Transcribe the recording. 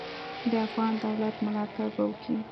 د افغان دولت ملاتړ به وکي.